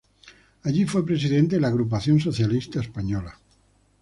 Allí fue presidente de la Agrupación Socialista Española.